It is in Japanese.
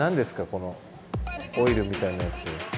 このオイルみたいなやつ。